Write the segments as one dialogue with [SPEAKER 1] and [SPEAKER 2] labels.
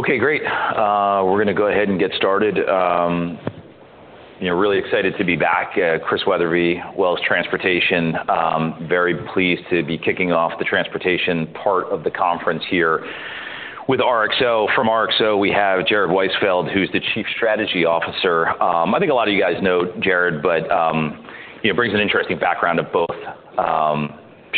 [SPEAKER 1] Okay, great. We're going to go ahead and get started. Really excited to be back. Chris Wetherbee, Wells Transportation, very pleased to be kicking off the transportation part of the conference here with RXO. From RXO, we have Jared Weisfeld, who's the Chief Strategy Officer. I think a lot of you guys know Jared, but he brings an interesting background of both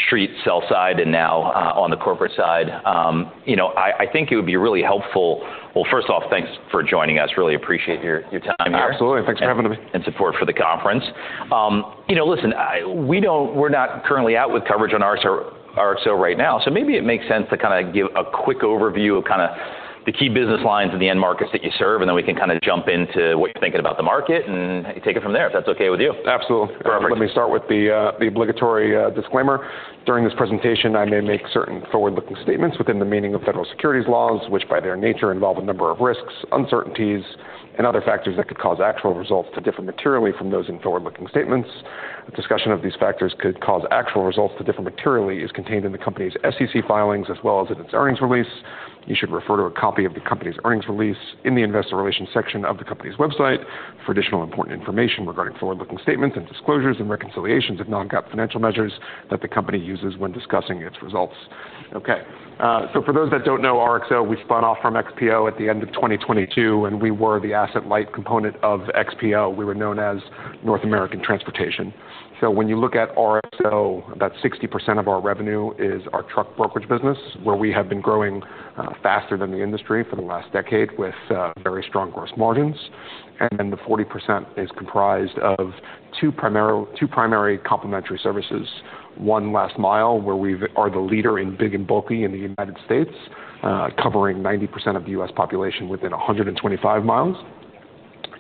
[SPEAKER 1] Street, sell-side, and now on the corporate side. I think it would be really helpful. Well, first off, thanks for joining us. Really appreciate your time here.
[SPEAKER 2] Absolutely. Thanks for having me.
[SPEAKER 1] Support for the conference. Listen, we're not currently out with coverage on RXO right now, so maybe it makes sense to kind of give a quick overview of kind of the key business lines and the end markets that you serve, and then we can kind of jump into what you're thinking about the market and take it from there if that's okay with you.
[SPEAKER 2] Absolutely. Let me start with the obligatory disclaimer. During this presentation, I may make certain forward-looking statements within the meaning of federal securities laws, which by their nature involve a number of risks, uncertainties, and other factors that could cause actual results to differ materially from those in forward-looking statements. Discussion of these factors could cause actual results to differ materially is contained in the company's SEC filings as well as in its earnings release. You should refer to a copy of the company's earnings release in the investor relations section of the company's website for additional important information regarding forward-looking statements and disclosures and reconciliations of non-GAAP financial measures that the company uses when discussing its results. Okay. So for those that don't know, RXO, we spun off from XPO at the end of 2022, and we were the asset-light component of XPO. We were known as North American Transportation. So when you look at RXO, about 60% of our revenue is our truck brokerage business, where we have been growing faster than the industry for the last decade with very strong gross margins. And then the 40% is comprised of two primary complementary services. One, last mile, where we are the leader in big and bulky in the United States, covering 90% of the U.S. population within 125 mi.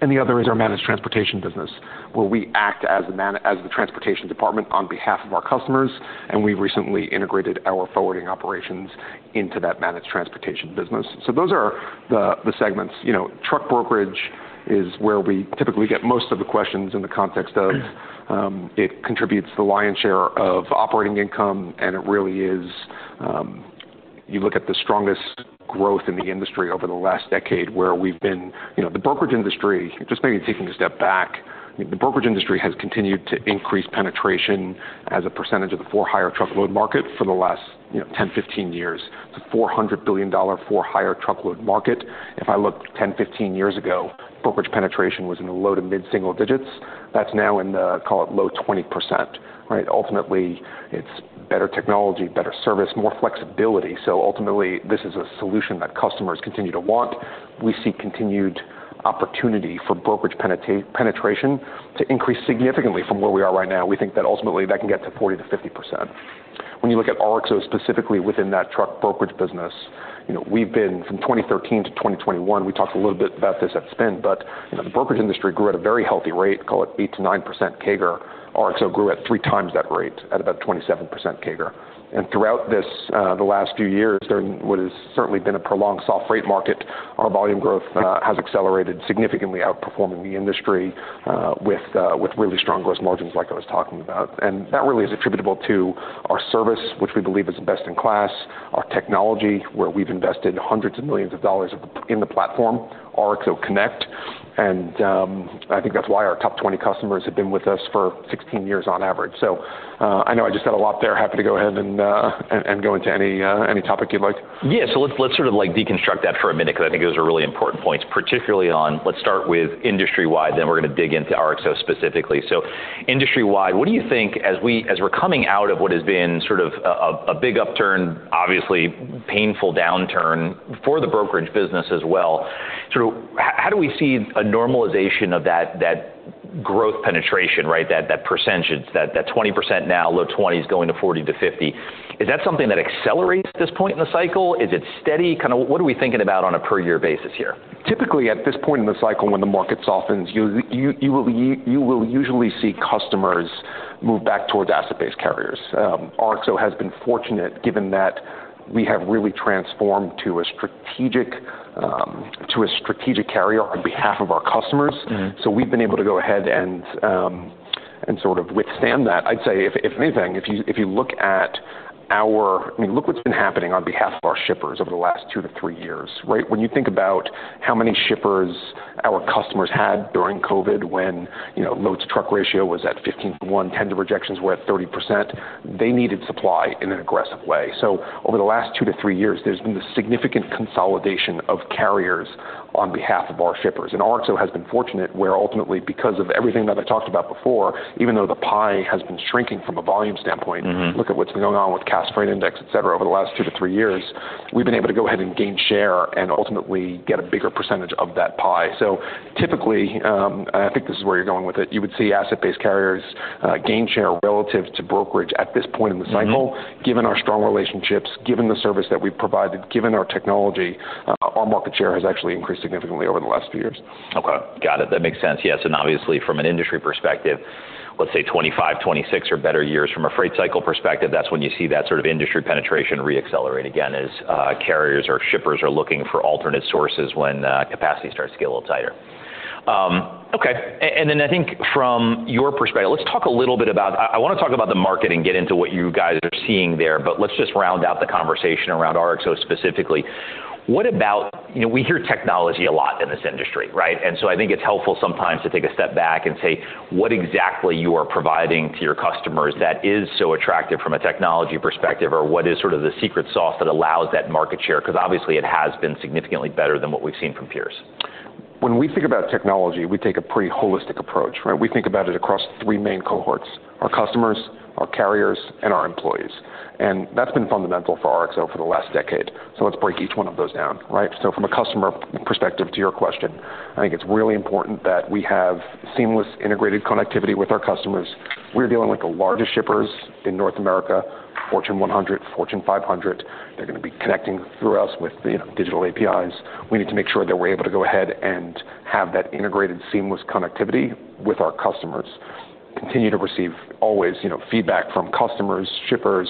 [SPEAKER 2] And the other is our managed transportation business, where we act as the transportation department on behalf of our customers, and we've recently integrated our forwarding operations into that managed transportation business. So those are the segments. Truck brokerage is where we typically get most of the questions in the context of it contributes the lion's share of operating income, and it really is. You look at the strongest growth in the industry over the last decade where we've been the brokerage industry. Just maybe taking a step back, the brokerage industry has continued to increase penetration as a percentage of the for-hire truckload market for the last 10-15 years. It's a $400 billion for-hire truckload market. If I look 10-15 years ago, brokerage penetration was in the low- to mid-single-digits. That's now in the, call it low 20%. Ultimately, it's better technology, better service, more flexibility. So ultimately, this is a solution that customers continue to want. We see continued opportunity for brokerage penetration to increase significantly from where we are right now. We think that ultimately that can get to 40%-50%. When you look at RXO specifically within that truck brokerage business, we've been from 2013-2021, we talked a little bit about this at spin, but the brokerage industry grew at a very healthy rate, call it 8%-9% CAGR. RXO grew at three times that rate at about 27% CAGR. And throughout the last few years, there has certainly been a prolonged soft rate market, our volume growth has accelerated significantly, outperforming the industry with really strong gross margins like I was talking about. And that really is attributable to our service, which we believe is best in class, our technology, where we've invested hundreds of millions of dollars in the platform, RXO Connect. And I think that's why our top 20 customers have been with us for 16 years on average. I know I just said a lot there. Happy to go ahead and go into any topic you'd like.
[SPEAKER 1] Yeah. So let's sort of deconstruct that for a minute because I think those are really important points, particularly on, let's start with industry-wide, then we're going to dig into RXO specifically. So industry-wide, what do you think as we're coming out of what has been sort of a big upturn, obviously painful downturn for the brokerage business as well, how do we see a normalization of that growth penetration, that percentage, that 20% now, low 20s going to 40%-50%? Is that something that accelerates at this point in the cycle? Is it steady? Kind of what are we thinking about on a per-year basis here?
[SPEAKER 2] Typically, at this point in the cycle when the market softens, you will usually see customers move back towards asset-based carriers. RXO has been fortunate given that we have really transformed to a strategic carrier on behalf of our customers. So we've been able to go ahead and sort of withstand that. I'd say if anything, if you look at our, I mean, look what's been happening on behalf of our shippers over the last two-three years. When you think about how many shippers our customers had during COVID when loads-to-truck ratio was at 15:1, tender rejections were at 30%, they needed supply in an aggressive way. So over the last two-three years, there's been this significant consolidation of carriers on behalf of our shippers. RXO has been fortunate where ultimately, because of everything that I talked about before, even though the pie has been shrinking from a volume standpoint, look at what's been going on with the Cass Freight Index, et cetera, over the last two-three years, we've been able to go ahead and gain share and ultimately get a bigger percentage of that pie. So typically, I think this is where you're going with it, you would see asset-based carriers gain share relative to brokerage at this point in the cycle, given our strong relationships, given the service that we've provided, given our technology, our market share has actually increased significantly over the last few years.
[SPEAKER 1] Okay. Got it. That makes sense. Yes. And obviously, from an industry perspective, let's say 2025, 2026 are better years. From a freight cycle perspective, that's when you see that sort of industry penetration re-accelerate again as carriers or shippers are looking for alternate sources when capacity starts to get a little tighter. Okay. And then I think from your perspective, let's talk a little bit about, I want to talk about the market and get into what you guys are seeing there, but let's just round out the conversation around RXO specifically. What about, we hear technology a lot in this industry, right? And so I think it's helpful sometimes to take a step back and say, what exactly you are providing to your customers that is so attractive from a technology perspective, or what is sort of the secret sauce that allows that market share? Because obviously it has been significantly better than what we've seen from peers.
[SPEAKER 2] When we think about technology, we take a pretty holistic approach. We think about it across three main cohorts: our customers, our carriers, and our employees. That's been fundamental for RXO for the last decade. Let's break each one of those down. From a customer perspective, to your question, I think it's really important that we have seamless integrated connectivity with our customers. We're dealing with the largest shippers in North America, Fortune 100, Fortune 500. They're going to be connecting through us with digital APIs. We need to make sure that we're able to go ahead and have that integrated seamless connectivity with our customers. Continue to receive always feedback from customers, shippers,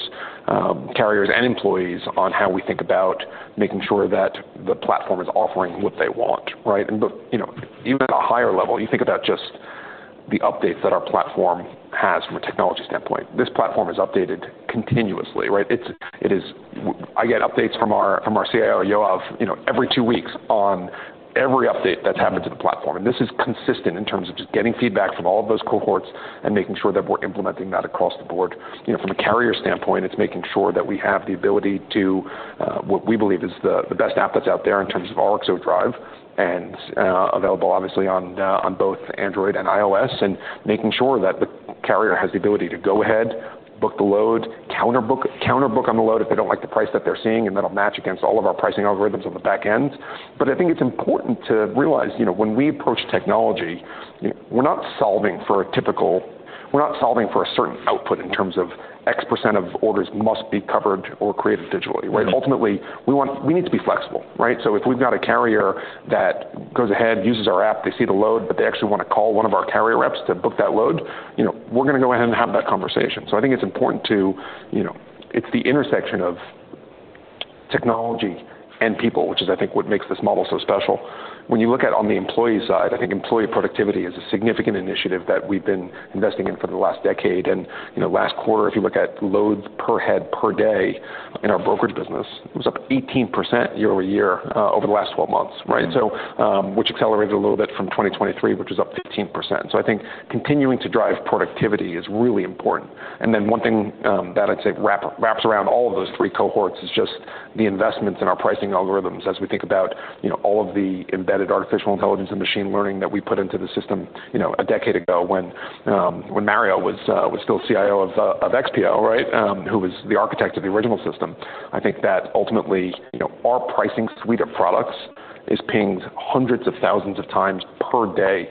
[SPEAKER 2] carriers, and employees on how we think about making sure that the platform is offering what they want. Even at a higher level, you think about just the updates that our platform has from a technology standpoint. This platform is updated continuously. I get updates from our CIO, Yoav, every two weeks on every update that's happened to the platform. This is consistent in terms of just getting feedback from all of those cohorts and making sure that we're implementing that across the board. From a carrier standpoint, it's making sure that we have the ability to, what we believe is the best app that's out there in terms of RXO Drive, and available obviously on both Android and iOS, and making sure that the carrier has the ability to go ahead, book the load, counterbook on the load if they don't like the price that they're seeing, and that'll match against all of our pricing algorithms on the back end. But I think it's important to realize when we approach technology, we're not solving for a typical, we're not solving for a certain output in terms of x% of orders must be covered or created digitally. Ultimately, we need to be flexible. So if we've got a carrier that goes ahead, uses our app, they see the load, but they actually want to call one of our carrier reps to book that load, we're going to go ahead and have that conversation. So I think it's important to, it's the intersection of technology and people, which is I think what makes this model so special. When you look at on the employee side, I think employee productivity is a significant initiative that we've been investing in for the last decade. And last quarter, if you look at loads per head per day in our brokerage business, it was up 18% year-over-year over the last 12 months, which accelerated a little bit from 2023, which was up 15%. So I think continuing to drive productivity is really important. And then one thing that I'd say wraps around all of those three cohorts is just the investments in our pricing algorithms as we think about all of the embedded artificial intelligence and machine learning that we put into the system a decade ago when Mario was still CIO of XPO, who was the architect of the original system. I think that ultimately our pricing suite of products is pinged hundreds of thousands of times per day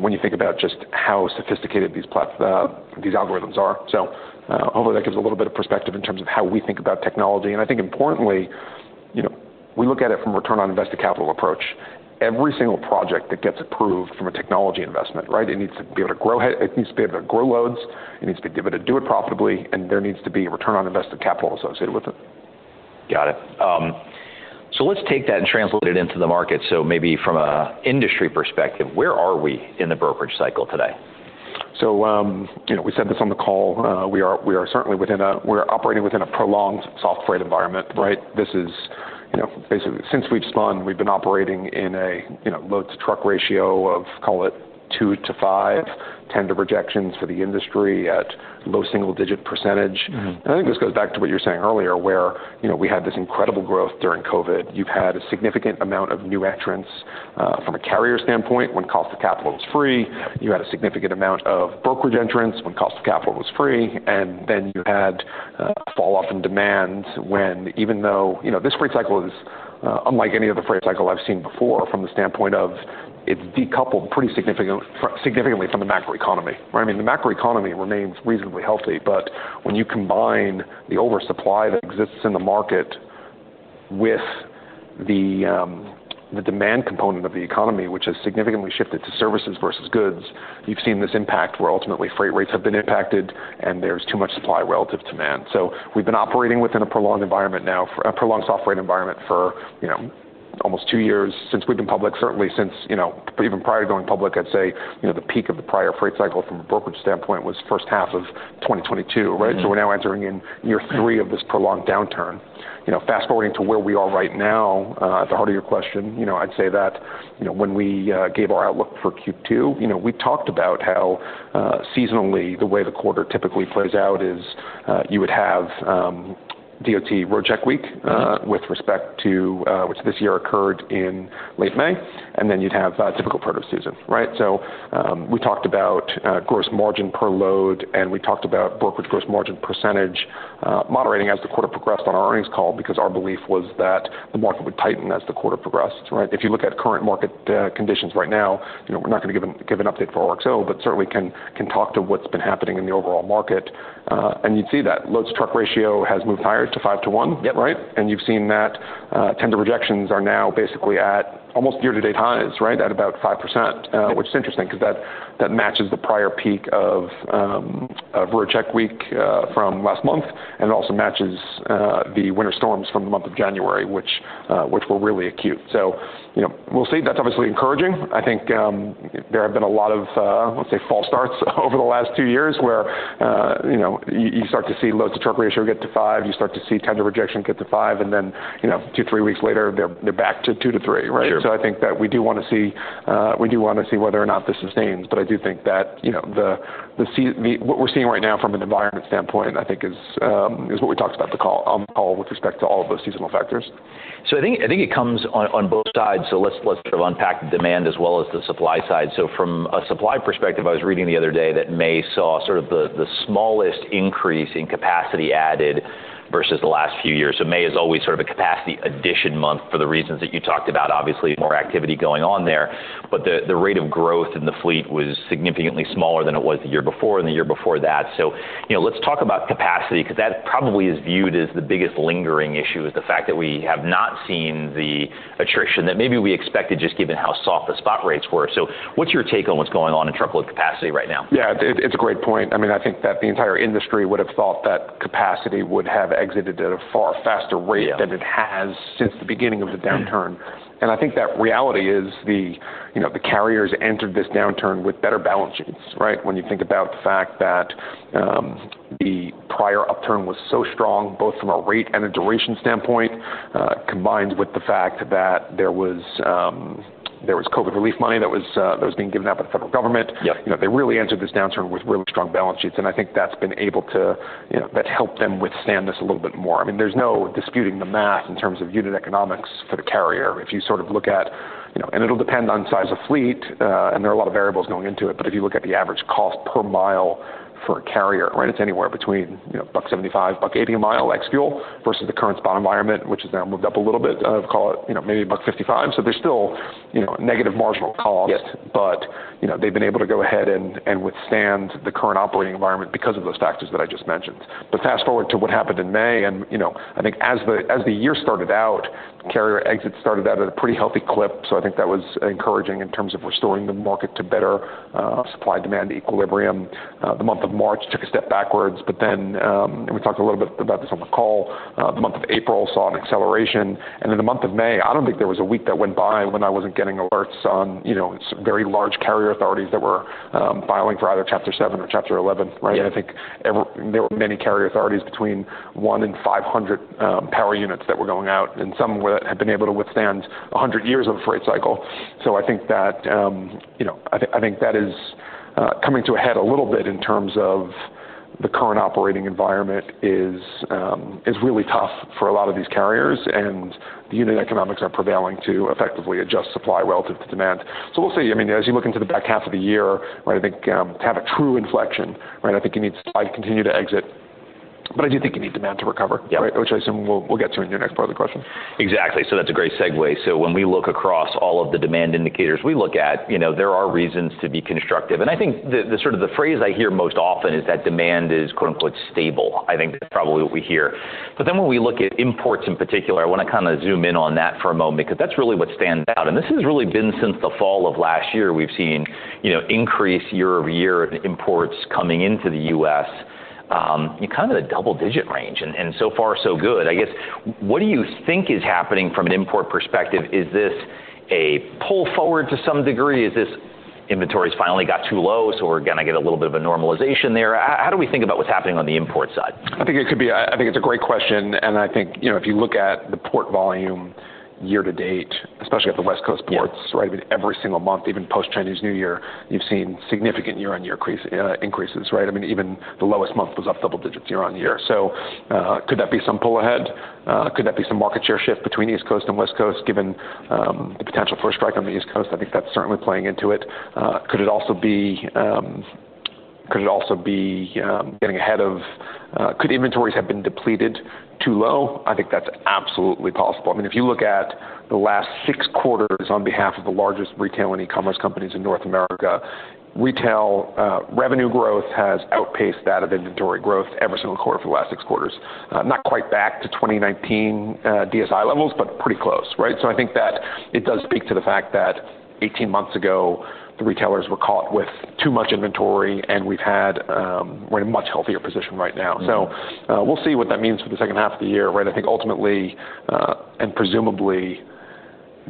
[SPEAKER 2] when you think about just how sophisticated these algorithms are. So hopefully that gives a little bit of perspective in terms of how we think about technology. And I think importantly, we look at it from a return on invested capital approach. Every single project that gets approved from a technology investment, it needs to be able to grow, it needs to be able to grow loads, it needs to be able to do it profitably, and there needs to be a return on invested capital associated with it.
[SPEAKER 1] Got it. So let's take that and translate it into the market. So maybe from an industry perspective, where are we in the brokerage cycle today?
[SPEAKER 2] So we said this on the call. We are certainly within a, we're operating within a prolonged soft rate environment. This is basically since we've spun, we've been operating in a loads-to-truck ratio of, call it two-five, tender rejections for the industry at low single-digit percentage. And I think this goes back to what you're saying earlier where we had this incredible growth during COVID. You've had a significant amount of new entrants from a carrier standpoint when cost of capital was free. You had a significant amount of brokerage entrants when cost of capital was free. And then you had falloff in demand when even though this freight cycle is unlike any other freight cycle I've seen before from the standpoint of it's decoupled pretty significantly from the macroeconomy. I mean, the macroeconomy remains reasonably healthy, but when you combine the oversupply that exists in the market with the demand component of the economy, which has significantly shifted to services versus goods, you've seen this impact where ultimately freight rates have been impacted and there's too much supply relative to demand. So we've been operating within a prolonged environment now, a prolonged soft rate environment for almost two years since we've been public, certainly since even prior to going public, I'd say the peak of the prior freight cycle from a brokerage standpoint was first half of 2022. So we're now entering in year three of this prolonged downturn. Fast forwarding to where we are right now, at the heart of your question, I'd say that when we gave our outlook for Q2, we talked about how seasonally the way the quarter typically plays out is you would have DOT Roadcheck week with respect to, which this year occurred in late May, and then you'd have a typical part of season. So we talked about gross margin per load and we talked about brokerage gross margin percentage moderating as the quarter progressed on our earnings call because our belief was that the market would tighten as the quarter progressed. If you look at current market conditions right now, we're not going to give an update for RXO, but certainly can talk to what's been happening in the overall market. And you'd see that loads-to-truck ratio has moved higher to 5:1. You've seen that tender rejections are now basically at almost year-to-date highs at about 5%, which is interesting because that matches the prior peak of Roadcheck week from last month and it also matches the winter storms from the month of January, which were really acute. So we'll see. That's obviously encouraging. I think there have been a lot of, let's say, false starts over the last two years where you start to see loads-to-truck ratio get to five, you start to see tender rejection get to five, and then two, three weeks later, they're back to two-three. So I think that we do want to see, we do want to see whether or not this sustains. I do think that what we're seeing right now from an environment standpoint, I think is what we talked about on the call with respect to all of those seasonal factors.
[SPEAKER 1] So, I think it comes on both sides. So, let's sort of unpack the demand as well as the supply side. So, from a supply perspective, I was reading the other day that May saw sort of the smallest increase in capacity added versus the last few years. So, May is always sort of a capacity addition month for the reasons that you talked about, obviously more activity going on there. But the rate of growth in the fleet was significantly smaller than it was the year before and the year before that. So, let's talk about capacity because that probably is viewed as the biggest lingering issue: the fact that we have not seen the attrition that maybe we expected just given how soft the spot rates were. So, what's your take on what's going on in truckload capacity right now?
[SPEAKER 2] Yeah, it's a great point. I mean, I think that the entire industry would have thought that capacity would have exited at a far faster rate than it has since the beginning of the downturn. And I think that reality is the carriers entered this downturn with better balance sheets. When you think about the fact that the prior upturn was so strong both from a rate and a duration standpoint, combined with the fact that there was COVID relief money that was being given out by the federal government, they really entered this downturn with really strong balance sheets. And I think that's been able to, that helped them withstand this a little bit more. I mean, there's no disputing the math in terms of unit economics for the carrier. If you sort of look at, and it'll depend on size of fleet and there are a lot of variables going into it, but if you look at the average cost per mile for a carrier, it's anywhere between $1.75-$1.80 a mile excluding fuel versus the current spot environment, which has now moved up a little bit of, call it maybe $1.55. So there's still negative marginal cost, but they've been able to go ahead and withstand the current operating environment because of those factors that I just mentioned. But fast forward to what happened in May. And I think as the year started out, carrier exits started out at a pretty healthy clip. So I think that was encouraging in terms of restoring the market to better supply-demand equilibrium. The month of March took a step backwards, but then we talked a little bit about this on the call. The month of April saw an acceleration. Then the month of May, I don't think there was a week that went by when I wasn't getting alerts on very large carrier authorities that were filing for either Chapter 7 or Chapter 11. I think there were many carrier authorities between one and 500 power units that were going out and some had been able to withstand 100 years of the freight cycle. So I think that I think that is coming to a head a little bit in terms of the current operating environment is really tough for a lot of these carriers and the unit economics are prevailing to effectively adjust supply relative to demand. So we'll see. I mean, as you look into the back half of the year, I think to have a true inflection, I think you need supply to continue to exit. But I do think you need demand to recover, which I assume we'll get to in your next part of the question.
[SPEAKER 1] Exactly. So that's a great segue. So when we look across all of the demand indicators, we look at there are reasons to be constructive. And I think the sort of the phrase I hear most often is that demand is "stable." I think that's probably what we hear. But then when we look at imports in particular, I want to kind of zoom in on that for a moment because that's really what stands out. And this has really been since the fall of last year, we've seen increase year-over-year in imports coming into the U.S., kind of a double-digit range and so far, so good. I guess what do you think is happening from an import perspective? Is this a pull forward to some degree? Is this inventory has finally got too low, so we're going to get a little bit of a normalization there? How do we think about what's happening on the import side?
[SPEAKER 2] I think it could be, I think it's a great question. I think if you look at the port volume year-to-date, especially at the West Coast ports, every single month, even post Chinese New Year, you've seen significant year-on-year increases. I mean, even the lowest month was up double-digits year on year. So could that be some pull ahead? Could that be some market share shift between East Coast and West Coast given the potential for a strike on the East Coast? I think that's certainly playing into it. Could it also be, could it also be getting ahead of, could inventories have been depleted too low? I think that's absolutely possible. I mean, if you look at the last six quarters on behalf of the largest retail and e-commerce companies in North America, retail revenue growth has outpaced that of inventory growth every single quarter for the last six quarters. Not quite back to 2019 DSI levels, but pretty close. So I think that it does speak to the fact that 18 months ago, the retailers were caught with too much inventory and we've had, we're in a much healthier position right now. So we'll see what that means for the second half of the year. I think ultimately and presumably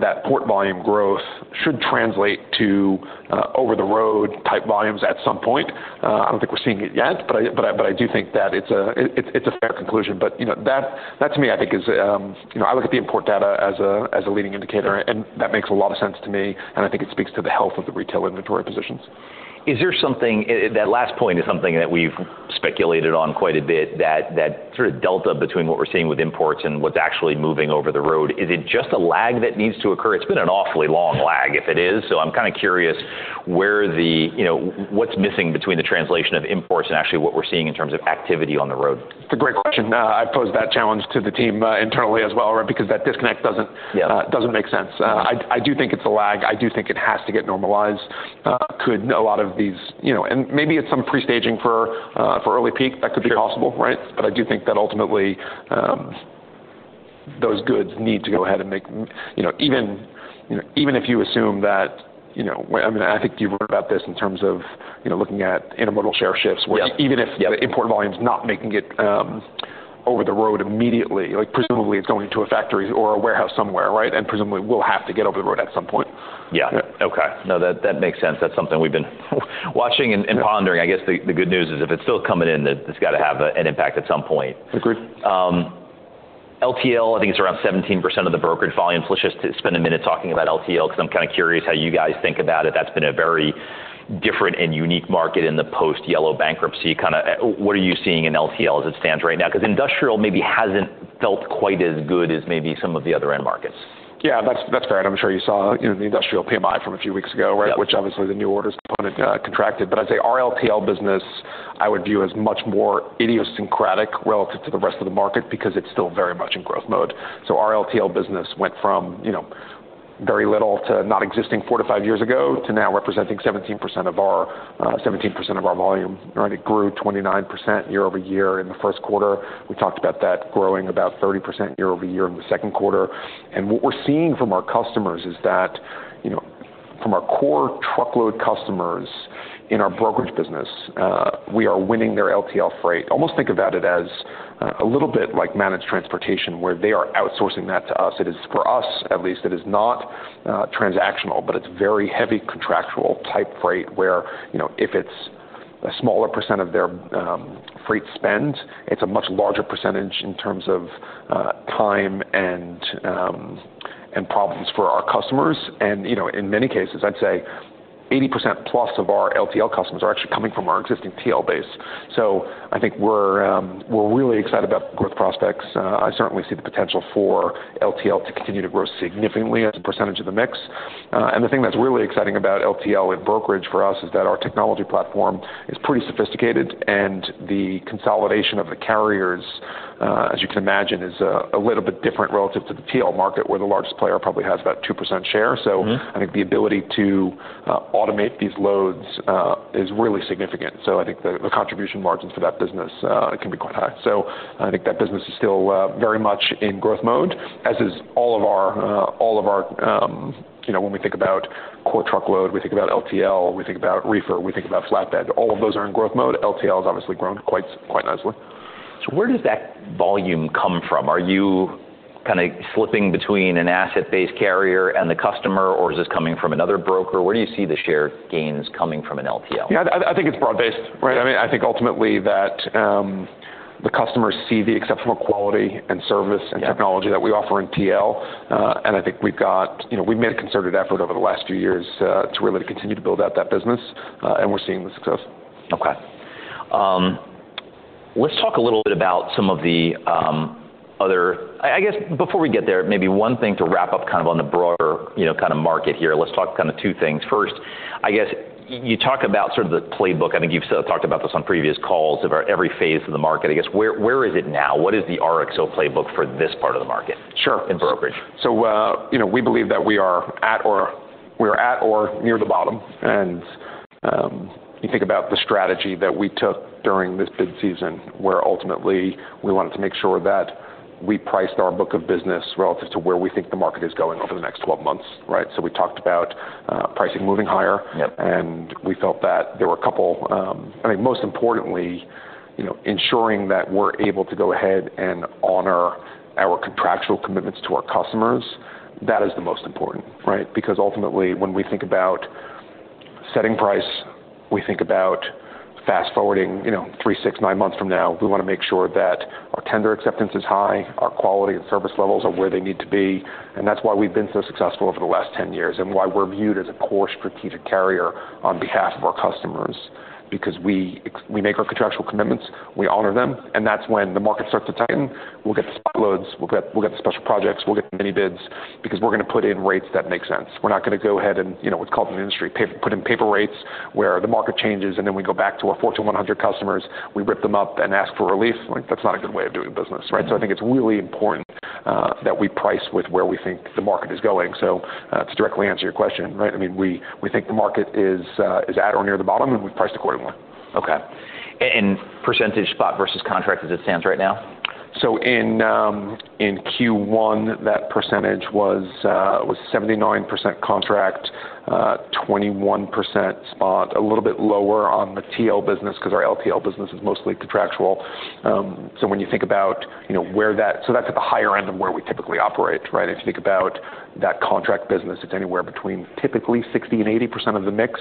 [SPEAKER 2] that port volume growth should translate to over-the-road type volumes at some point. I don't think we're seeing it yet, but I do think that it's a fair conclusion. That to me, I think is, I look at the import data as a leading indicator and that makes a lot of sense to me. I think it speaks to the health of the retail inventory positions.
[SPEAKER 1] Is there something, that last point is something that we've speculated on quite a bit, that sort of delta between what we're seeing with imports and what's actually moving over the road, is it just a lag that needs to occur? It's been an awfully long lag, if it is. So I'm kind of curious where the, what's missing between the translation of imports and actually what we're seeing in terms of activity on the road?
[SPEAKER 2] It's a great question. I pose that challenge to the team internally as well because that disconnect doesn't make sense. I do think it's a lag. I do think it has to get normalized. Could a lot of these, and maybe it's some pre-staging for early peak, that could be possible. But I do think that ultimately those goods need to go ahead and make, even if you assume that, I mean, I think you've heard about this in terms of looking at intermodal share shifts where even if the import volume is not making it over the road immediately, presumably it's going to a factory or a warehouse somewhere and presumably will have to get over the road at some point.
[SPEAKER 1] Yeah. Okay. No, that makes sense. That's something we've been watching and pondering. I guess the good news is if it's still coming in, it's got to have an impact at some point.
[SPEAKER 2] Agreed.
[SPEAKER 1] LTL, I think it's around 17% of the brokerage volume. So let's just spend a minute talking about LTL because I'm kind of curious how you guys think about it. That's been a very different and unique market in the post-Yellow bankruptcy. Kind of what are you seeing in LTL as it stands right now? Because industrial maybe hasn't felt quite as good as maybe some of the other end markets.
[SPEAKER 2] Yeah, that's fair. And I'm sure you saw the Industrial PMI from a few weeks ago, which obviously the new orders component contracted. But I'd say our LTL business, I would view as much more idiosyncratic relative to the rest of the market because it's still very much in growth mode. So our LTL business went from very little to non-existing four-five years ago to now representing 17% of our volume. It grew 29% year-over-year in the first quarter. We talked about that growing about 30% year-over-year in the second quarter. And what we're seeing from our customers is that from our core truckload customers in our brokerage business, we are winning their LTL freight. Almost think about it as a little bit like managed transportation where they are outsourcing that to us. It is for us, at least. It is not transactional, but it's very heavy contractual type freight where if it's a smaller percent of their freight spend, it's a much larger percentage in terms of time and problems for our customers. And in many cases, I'd say 80%+ of our LTL customers are actually coming from our existing TL base. So I think we're really excited about growth prospects. I certainly see the potential for LTL to continue to grow significantly as a percentage of the mix. And the thing that's really exciting about LTL in brokerage for us is that our technology platform is pretty sophisticated and the consolidation of the carriers, as you can imagine, is a little bit different relative to the TL market where the largest player probably has about 2% share. So I think the ability to automate these loads is really significant. So I think the contribution margins for that business can be quite high. So I think that business is still very much in growth mode, as is all of our, when we think about core truckload, we think about LTL, we think about reefer, we think about flatbed. All of those are in growth mode. LTL has obviously grown quite nicely.
[SPEAKER 1] Where does that volume come from? Are you kind of slipping between an asset-based carrier and the customer, or is this coming from another broker? Where do you see the shared gains coming from an LTL?
[SPEAKER 2] Yeah, I think it's broad-based. I mean, I think ultimately that the customers see the exceptional quality and service and technology that we offer in TL. And I think we've made a concerted effort over the last few years to really continue to build out that business, and we're seeing the success.
[SPEAKER 1] Okay. Let's talk a little bit about some of the other, I guess before we get there, maybe one thing to wrap up kind of on the broader kind of market here, let's talk kind of two things. First, I guess you talk about sort of the playbook. I think you've talked about this on previous calls about every phase of the market. I guess where is it now? What is the RXO playbook for this part of the market in brokerage?
[SPEAKER 2] Sure. So we believe that we are at or near the bottom. And you think about the strategy that we took during this bid season where ultimately we wanted to make sure that we priced our book of business relative to where we think the market is going over the next 12 months. So we talked about pricing moving higher, and we felt that there were a couple, I think most importantly, ensuring that we're able to go ahead and honor our contractual commitments to our customers. That is the most important because ultimately when we think about setting price, we think about fast forwarding three, six, nine months from now. We want to make sure that our tender acceptance is high, our quality and service levels are where they need to be. That's why we've been so successful over the last 10 years and why we're viewed as a core strategic carrier on behalf of our customers because we make our contractual commitments, we honor them, and that's when the market starts to tighten. We'll get the spot loads, we'll get the special projects, we'll get the mini bids because we're going to put in rates that make sense. We're not going to go ahead and, what's called in the industry, put in paper rates where the market changes and then we go back to our Fortune 100 customers, we rip them up and ask for relief. That's not a good way of doing business. I think it's really important that we price with where we think the market is going. To directly answer your question, I mean, we think the market is at or near the bottom and we've priced accordingly.
[SPEAKER 1] Okay. And percentage spot versus contract as it stands right now?
[SPEAKER 2] So in Q1, that percentage was 79% contract, 21% spot, a little bit lower on the TL business because our LTL business is mostly contractual. So when you think about where that, so that's at the higher end of where we typically operate. If you think about that contract business, it's anywhere between typically 60%-80% of the mix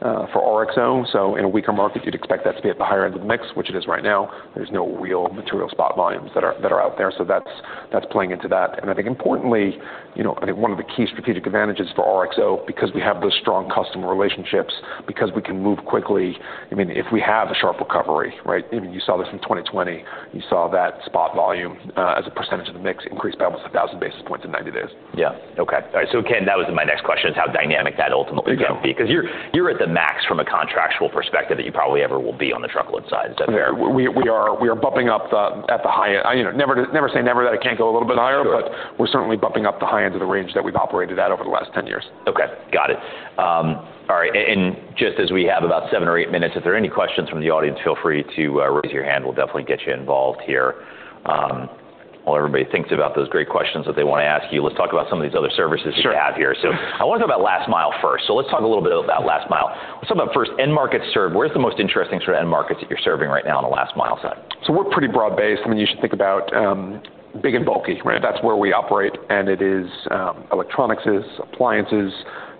[SPEAKER 2] for RXO. So in a weaker market, you'd expect that to be at the higher end of the mix, which it is right now. There's no real material spot volumes that are out there. So that's playing into that. I think importantly, I think one of the key strategic advantages for RXO, because we have those strong customer relationships, because we can move quickly, I mean, if we have a sharp recovery, I mean, you saw this in 2020, you saw that spot volume as a percentage of the mix increase by almost 1,000 basis points in 90 days.
[SPEAKER 1] Yeah. Okay. All right. So again, that was my next question is how dynamic that ultimately can be because you're at the max from a contractual perspective that you probably ever will be on the truckload side. Is that fair?
[SPEAKER 2] We are bumping up at the high end. Never say never that it can't go a little bit higher, but we're certainly bumping up the high end of the range that we've operated at over the last 10 years.
[SPEAKER 1] Okay. Got it. All right. And just as we have about seven or eight minutes, if there are any questions from the audience, feel free to raise your hand. We'll definitely get you involved here. While everybody thinks about those great questions that they want to ask you, let's talk about some of these other services that you have here. So I want to talk about last mile first. So let's talk a little bit about last mile. Let's talk about first end markets served. Where's the most interesting sort of end markets that you're serving right now on the last mile side?
[SPEAKER 2] We're pretty broad-based. I mean, you should think about big and bulky. That's where we operate. It is electronics, appliances,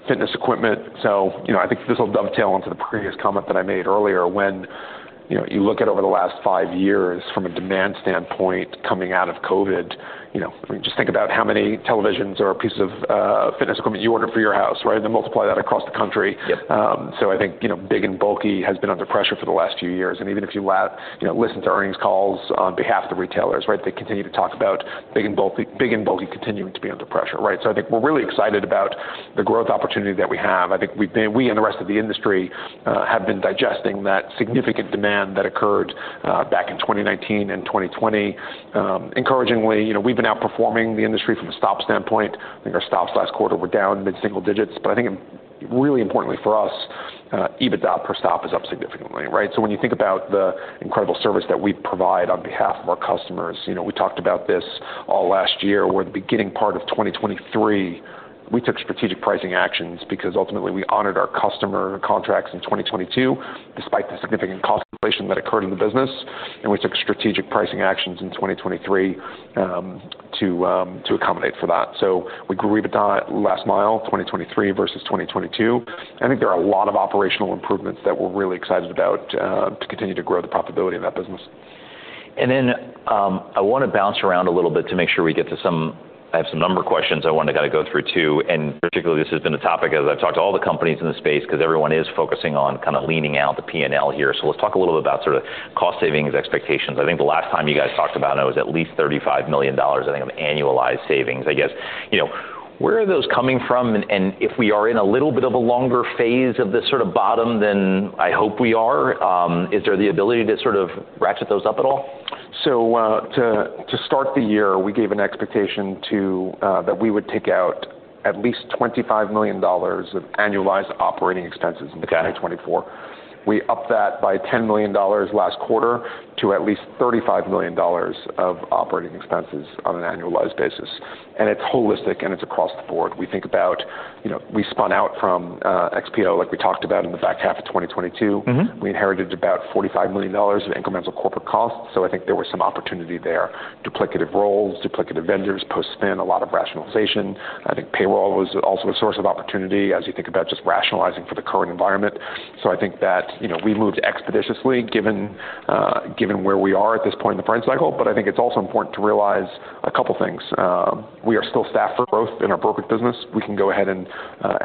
[SPEAKER 2] fitness equipment. I think this will dovetail into the previous comment that I made earlier when you look at over the last five years from a demand standpoint coming out of COVID, just think about how many televisions or pieces of fitness equipment you ordered for your house, then multiply that across the country. Big and bulky has been under pressure for the last few years. Even if you listen to earnings calls on behalf of the retailers, they continue to talk about big and bulky continuing to be under pressure. We're really excited about the growth opportunity that we have. I think we and the rest of the industry have been digesting that significant demand that occurred back in 2019 and 2020. Encouragingly, we've been outperforming the industry from a stop standpoint. I think our stops last quarter were down mid-single-digits. But I think really importantly for us, EBITDA per stop is up significantly. So when you think about the incredible service that we provide on behalf of our customers, we talked about this all last year where the beginning part of 2023, we took strategic pricing actions because ultimately we honored our customer contracts in 2022 despite the significant cost inflation that occurred in the business. And we took strategic pricing actions in 2023 to accommodate for that. So we grew EBITDA last mile 2023 versus 2022. I think there are a lot of operational improvements that we're really excited about to continue to grow the profitability of that business.
[SPEAKER 1] Then I want to bounce around a little bit to make sure we get to some. I have some number questions I want to kind of go through too. And particularly this has been a topic as I've talked to all the companies in the space because everyone is focusing on kind of leaning out the P&L here. So let's talk a little bit about sort of cost savings expectations. I think the last time you guys talked about it was at least $35 million, I think of annualized savings. I guess where are those coming from? And if we are in a little bit of a longer phase of this sort of bottom than I hope we are, is there the ability to sort of ratchet those up at all?
[SPEAKER 2] So to start the year, we gave an expectation that we would take out at least $25 million of annualized operating expenses in 2024. We upped that by $10 million last quarter to at least $35 million of operating expenses on an annualized basis. And it's holistic and it's across the board. We think about, we spun out from XPO like we talked about in the back half of 2022. We inherited about $45 million of incremental corporate costs. So I think there was some opportunity there. Duplicative roles, duplicative vendors, post-spin, a lot of rationalization. I think payroll was also a source of opportunity as you think about just rationalizing for the current environment. So I think that we moved expeditiously given where we are at this point in the freight cycle. But I think it's also important to realize a couple of things. We are still staffed for growth in our brokerage business. We can go ahead and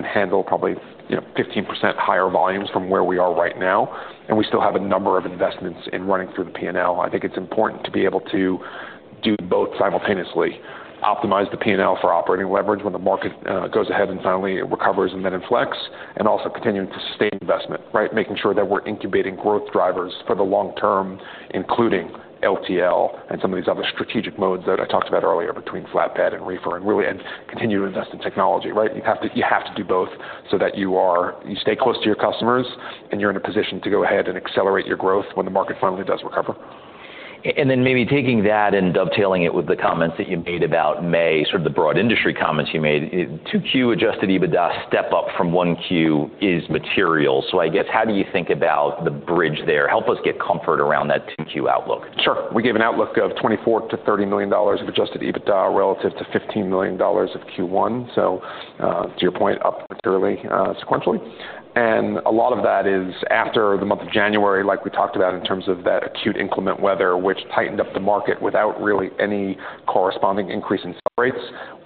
[SPEAKER 2] handle probably 15% higher volumes from where we are right now. We still have a number of investments in running through the P&L. I think it's important to be able to do both simultaneously. Optimize the P&L for operating leverage when the market goes ahead and finally recovers and then inflects. Also continue to sustain investment, making sure that we're incubating growth drivers for the long term, including LTL and some of these other strategic modes that I talked about earlier between flatbed and reefer and really continue to invest in technology. You have to do both so that you stay close to your customers and you're in a position to go ahead and accelerate your growth when the market finally does recover.
[SPEAKER 1] And then maybe taking that and dovetailing it with the comments that you made about May, sort of the broad industry comments you made, 2Q Adjusted EBITDA step up from 1Q is material. So I guess how do you think about the bridge there? Help us get comfort around that 2Q outlook.
[SPEAKER 2] Sure. We gave an outlook of $24 million-$30 million of Adjusted EBITDA relative to $15 million of Q1. So to your point, up materially sequentially. And a lot of that is after the month of January, like we talked about in terms of that acute inclement weather, which tightened up the market without really any corresponding increase in sell rates.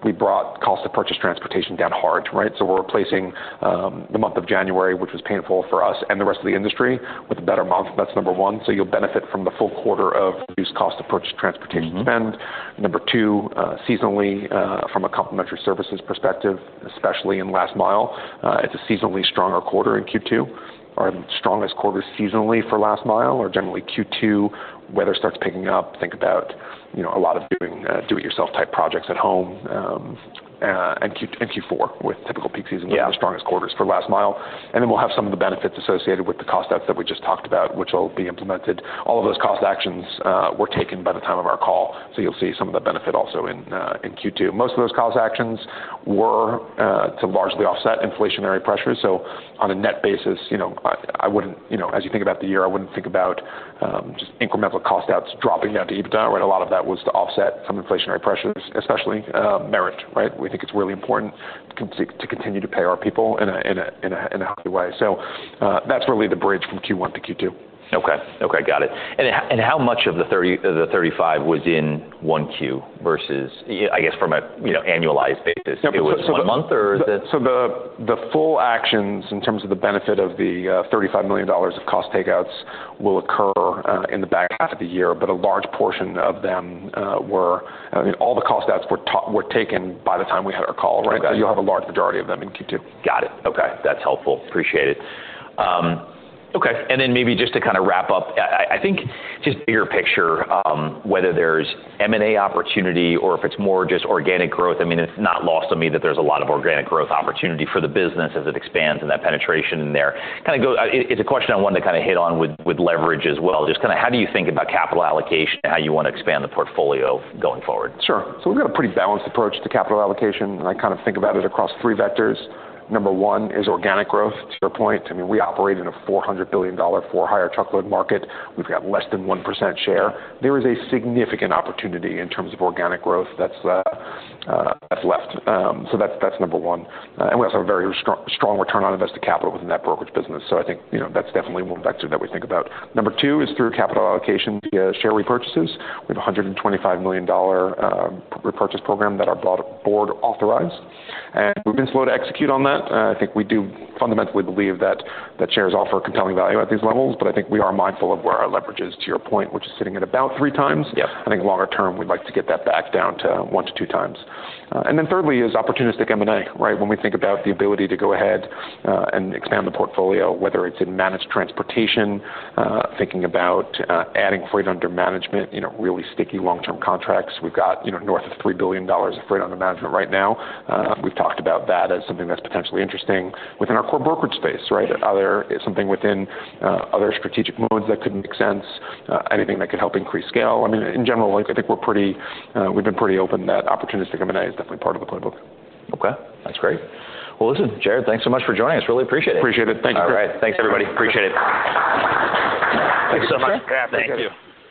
[SPEAKER 2] We brought cost of purchased transportation down hard. So we're replacing the month of January, which was painful for us and the rest of the industry, with a better month. That's number one. So you'll benefit from the full quarter of reduced cost of purchased transportation spend. Number two, seasonally from a complementary services perspective, especially in last mile, it's a seasonally stronger quarter in Q2. Our strongest quarter seasonally for last mile or generally Q2, weather starts picking up. Think about a lot of doing it yourself type projects at home. Q4 with typical peak season was the strongest quarters for last mile. Then we'll have some of the benefits associated with the cost outs that we just talked about, which will be implemented. All of those cost actions were taken by the time of our call. So you'll see some of the benefit also in Q2. Most of those cost actions were to largely offset inflationary pressures. So on a net basis, I wouldn't, as you think about the year, I wouldn't think about just incremental cost outs dropping down to EBITDA. A lot of that was to offset some inflationary pressures, especially merit. We think it's really important to continue to pay our people in a healthy way. So that's really the bridge from Q1-Q2.
[SPEAKER 1] Okay. Okay. Got it. And how much of the $35 million was in 1Q versus, I guess from an annualized basis? It was a month or is it?
[SPEAKER 2] The full actions in terms of the benefit of the $35 million of cost takeouts will occur in the back half of the year, but a large portion of them were, all the cost outs were taken by the time we had our call. So you'll have a large majority of them in Q2.
[SPEAKER 1] Got it. Okay. That's helpful. Appreciate it. Okay. And then maybe just to kind of wrap up, I think just bigger picture, whether there's M&A opportunity or if it's more just organic growth, I mean, it's not lost on me that there's a lot of organic growth opportunity for the business as it expands and that penetration in there. Kind of goes; it's a question I wanted to kind of hit on with leverage as well. Just kind of how do you think about capital allocation, how you want to expand the portfolio going forward?
[SPEAKER 2] Sure. So we've got a pretty balanced approach to capital allocation. And I kind of think about it across three vectors. Number one is organic growth to your point. I mean, we operate in a $400 billion for-hire truckload market. We've got less than 1% share. There is a significant opportunity in terms of organic growth that's left. So that's number one. And we also have a very strong return on invested capital within that brokerage business. So I think that's definitely one vector that we think about. Number two is through capital allocation via share repurchases. We have a $125 million repurchase program that our board authorized. And we've been slow to execute on that. I think we do fundamentally believe that shares offer compelling value at these levels, but I think we are mindful of where our leverage is to your point, which is sitting at about 3x. I think longer term, we'd like to get that back down to 1x-2x. And then thirdly is opportunistic M&A. When we think about the ability to go ahead and expand the portfolio, whether it's in managed transportation, thinking about adding freight under management, really sticky long-term contracts. We've got north of $3 billion of freight under management right now. We've talked about that as something that's potentially interesting within our core brokerage space. Are there something within other strategic modes that could make sense, anything that could help increase scale? I mean, in general, I think we've been pretty open that opportunistic M&A is definitely part of the playbook.
[SPEAKER 1] Okay. That's great. Well, listen, Jared, thanks so much for joining us. Really appreciate it.
[SPEAKER 2] Appreciate it. Thank you.
[SPEAKER 1] All right. Thanks, everybody. Appreciate it. Thanks so much.
[SPEAKER 2] Thank you.